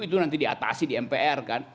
itu nanti diatasi di mpr kan